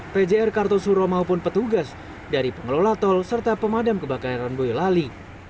pjr kartosuro maupun petugas dari pengelola tol serta pemadam kebakaran boyolali